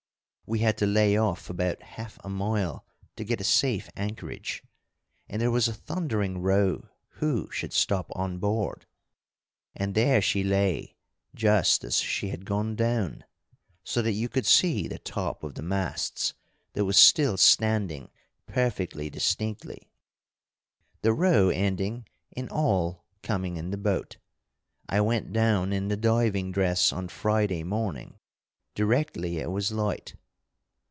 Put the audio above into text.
We had to lay off about half a mile to get a safe anchorage, and there was a thundering row who should stop on board. And there she lay just as she had gone down, so that you could see the top of the masts that was still standing perfectly distinctly. The row ending in all coming in the boat. I went down in the diving dress on Friday morning directly it was light.